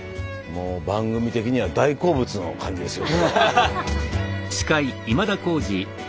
もう番組的には大好物の感じですよ。